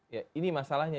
ya ini masalahnya